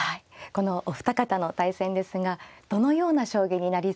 このお二方の対戦ですがどのような将棋になりそうでしょうか。